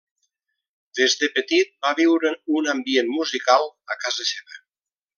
Des de petit va viure un ambient musical a casa seva.